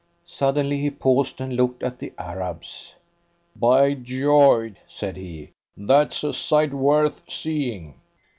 Suddenly he paused and looked at the Arabs. "By George!" said he, "that's a sight worth seeing!"